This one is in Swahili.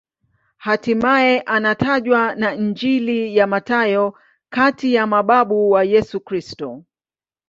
Hatimaye anatajwa na Injili ya Mathayo kati ya mababu wa Yesu Kristo.